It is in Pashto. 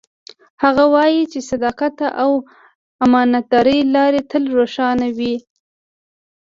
هغه وایي چې د صداقت او امانتدارۍ لار تل روښانه وي